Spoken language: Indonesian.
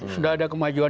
sudah ada kemajuan